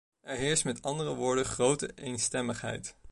Er heerst met andere woorden grote eenstemmigheid.